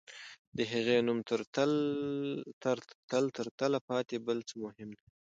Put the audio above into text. د هغې نوم تر تل پاتې بل څه مهم دی.